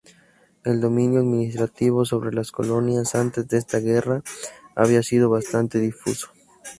El dominio administrativo sobre las colonias antes de esta guerra había sido bastante difuso.